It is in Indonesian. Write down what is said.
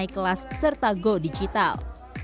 untuk umkm naik kelas serta go digital